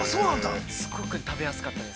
すごく食べやすかったです。